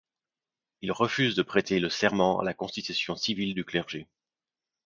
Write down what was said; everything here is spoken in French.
Il refuse de prêter le serment à la Constitution civile du clergé.